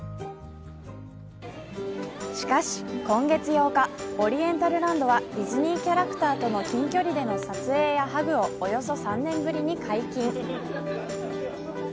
しかし、今月８日オリエンタルランドはディズニーキャラクターとの近距離での撮影やハグをおよそ３年ぶりに解禁。